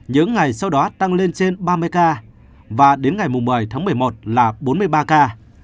những ngày sau đó tăng lên trên ba mươi ca và đến ngày một mươi tháng một mươi một là bốn mươi ba ca